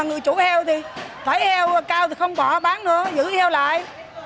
người chủ heo thì thấy heo cao thì không bỏ bán nữa giữ heo lại